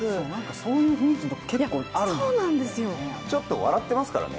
そういう雰囲気のところ、結構あるんですよね。